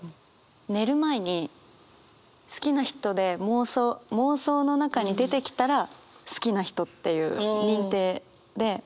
寝る前に好きな人で妄想妄想の中に出てきたら好きな人っていう認定で。